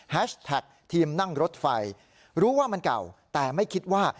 แท็กทีมนั่งรถไฟรู้ว่ามันเก่าแต่ไม่คิดว่า